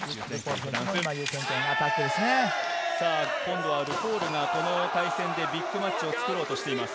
今度は、ルフォールがこの対戦でビッグマッチを作ろうとしています。